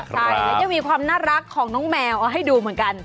ใช่แล้วก็มีความน่ารักของน้องแมวเอาให้ดูเหมือนกัน